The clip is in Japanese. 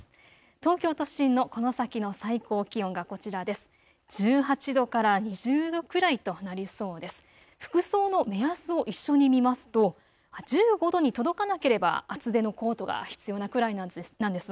東京都心のこの先の最高気温がこちらです。